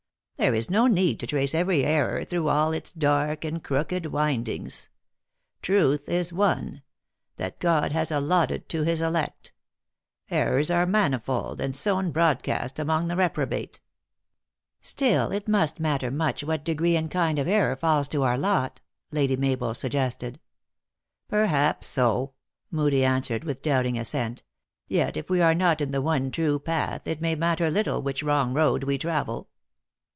There is no need to trace every error through all its dark and crooked windings. Truth is one : that God has allotted to his elect. Errors are manifold, and sown broadcast among the reprobate." 166 THE ACTRESS IN HIGH LIFE. " Still it must matter much what degree and kind of error falls to our lot," Lady Mabel suggested. " Perhaps so," Moodie answered, with doubting as sent. " Yet if we are not in the one true path^ it may matter little which wrong road we travel."